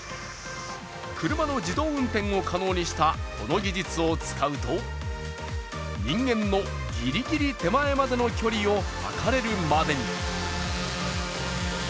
車の自動運転を可能にしたこの技術を使うと人間のギリギリ手前までの距離を測れるまでに。